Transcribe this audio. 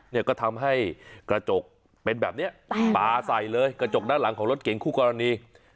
เนี่ยก็ทำให้กระจกเป็นแบบนี้ปลาใส่เลยกระจกด้านหลังของรถเก่งคู่กรณี